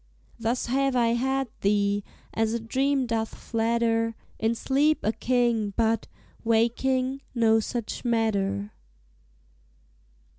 Thus have I had thee, as a dream doth flatter; In sleep a king, but, waking, no such matter.